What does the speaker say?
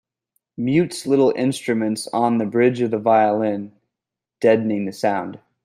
Mutes little instruments on the bridge of the violin, deadening the sound.